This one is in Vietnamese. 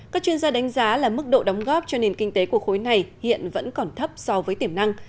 các chuyên gia đánh giá là mức độ đóng góp cho nền kinh tế của khối này hiện vẫn còn thấp so với tiềm năng